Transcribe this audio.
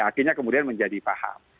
akhirnya kemudian menjadi paham